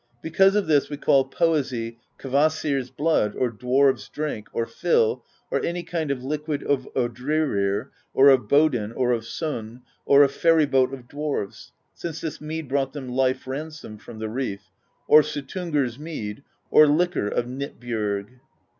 Because of this we call poesy Kvasir's Blood or Dwarves'Drink, or Fill, or any kind of liquid ofOdrerir, or of Bodn, or of Son, or Ferry Boat of Dwarves — since this mead brought them life ransom from the reef^ — or Suttungr's Mead, or Liquor of Hnitbjorg."